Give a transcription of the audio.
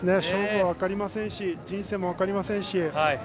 勝負は分かりませんし人生も分かりませんし。